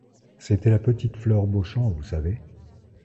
C'était la petite Flore Beauchamp, vous savez.